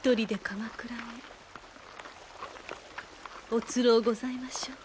おつろうございましょう。